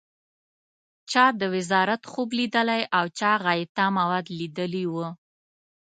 چا د وزارت خوب لیدلی او چا غایطه مواد لیدلي و.